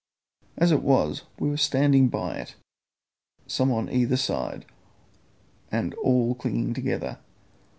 As it was, we were standing by it, some on either side, and all clinging together.